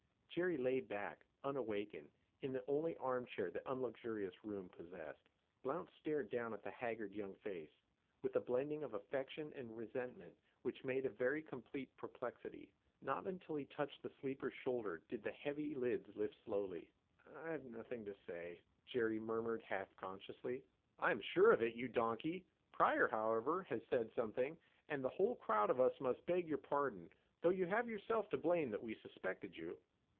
Jerry lay back, unawakened, in the only armchair the unluxurious room possessed. Blount stared down at the haggard young face, with a blending of affection and resentment which made a very complete perplexity. Not until he touched the sleeper's shoulder did the heavy lids lift slowly. 'I've nothing to say,' Jerry murmured half consciously. 'I am sure of it, you donkey! Pryor, however, has said something, and the whole crowd of us must beg your pardon, though you have yourself to blame that we suspected you.'